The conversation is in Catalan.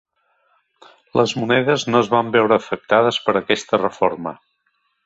Les monedes no es van veure afectades per aquesta reforma.